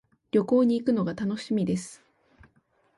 旅行に行くのが楽しみです。